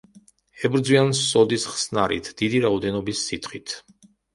ებრძვიან სოდის ხსნარით, დიდი რაოდენობის სითხით.